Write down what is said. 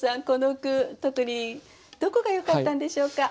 この句特にどこがよかったんでしょうか？